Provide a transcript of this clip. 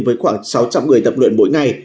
với khoảng sáu trăm linh người tập luyện mỗi ngày